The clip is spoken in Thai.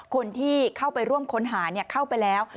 คนที่เข้าไปร่วมค้นหาเข้าไปแล้ว